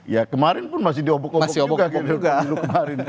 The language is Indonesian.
ya kemarin pun masih di obok obok juga